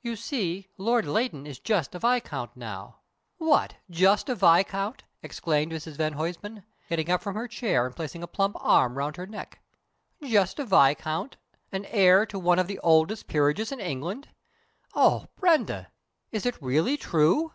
You see, Lord Leighton is just a viscount now " "What, just a viscount!" exclaimed Mrs van Huysman, getting up from her chair and putting a plump arm round her neck. "Just a viscount and heir to one of the oldest peerages in England! Oh, Brenda, is it really true?"